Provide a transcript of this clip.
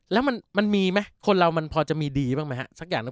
แล้วมันมีไหมคนเรามาน่าจะมีดีบ้างมั้ยครับ